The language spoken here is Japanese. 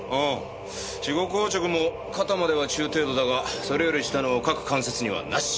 死後硬直も肩までは中程度だがそれより下の各関節にはなし。